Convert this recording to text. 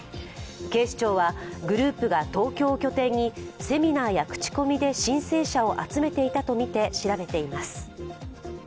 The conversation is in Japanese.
警視庁はグループが東京を拠点にセミナーや口コミで申請者を集めていたとみて調べています。